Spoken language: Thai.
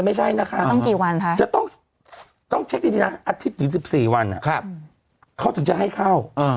ไม่ใช่นะคะต้องเช็คดีนะอาทิตย์ถึง๑๔วันเขาถึงจะให้เข้า